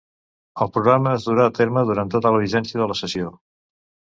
El programa es durà a terme durant tota la vigència de la cessió.